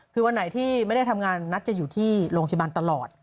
คือวันไหนที่ไม่ได้ทำงานนัทจะอยู่ที่โรงพยาบาลตลอด